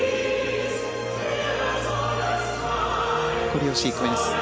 コレオシークエンス。